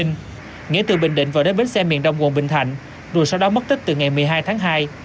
nghĩa từ bình định vào đến bến xe miền đông quận bình thạnh rồi sau đó mất tích từ ngày một mươi hai tháng hai